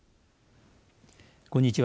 こんにちは。